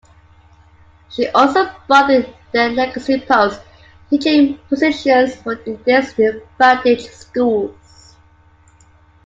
She also brought in the legacy posts, teaching positions for disadvantaged schools.